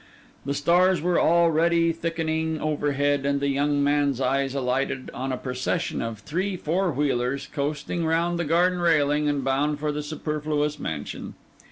The stars were already thickening overhead, when the young man's eyes alighted on a procession of three four wheelers, coasting round the garden railing and bound for the Superfluous Mansion.